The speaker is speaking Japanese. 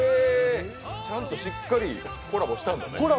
ちゃんとしっかりコラボしたんだね。